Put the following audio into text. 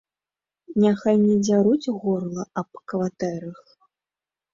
Няхай не дзяруць горла аб кватэрах.